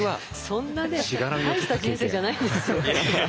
そんなね大した人生じゃないんですよ。